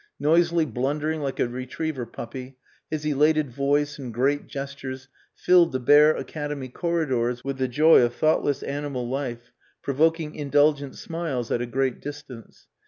Noisily blundering like a retriever puppy, his elated voice and great gestures filled the bare academy corridors with the joy of thoughtless animal life, provoking indulgent smiles at a great distance.